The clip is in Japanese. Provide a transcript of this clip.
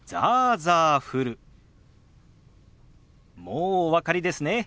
もうお分かりですね。